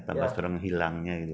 tambah strong hilangnya gitu